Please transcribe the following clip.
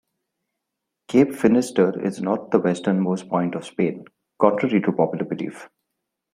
Cape Finisterre is not the westernmost point of Spain, contrary to popular belief.